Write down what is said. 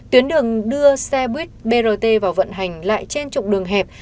tuyến đường đưa xe bít brt vào vận hành lại trên trụng đường hẹp